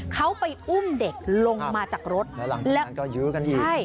เขาไปอุ้มเด็กลงมาจากรถแล้วมันก็ยื้อกันอีกใช่